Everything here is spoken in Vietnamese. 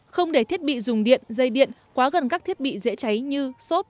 không để thiết bị dùng điện dây điện quá gần các thiết bị dễ cháy như xốp